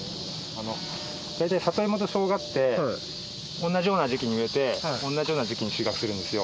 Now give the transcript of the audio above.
だいたい里芋としょうがって同じような時期に植えて同じような時期に収穫するんですよ。